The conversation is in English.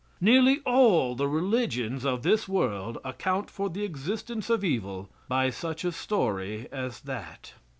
Nearly all the religions of this world account for the existence of evil by such a story as that.